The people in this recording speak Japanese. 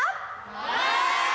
はい！